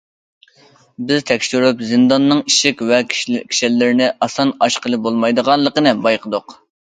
بىز تەكشۈرۈپ زىنداننىڭ ئىشىك ۋە كىشەنلىرىنى ئاسان ئاچقىلى بولمايدىغانلىقىنى بايقىدۇق.